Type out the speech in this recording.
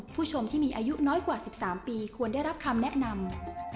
ผู้ชมที่มีอายุน้อยกว่า๑๓ปีควรได้รับคำแนะนำ